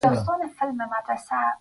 والټ وېټمن وایي پلټونکی اوسېدل غوره دي.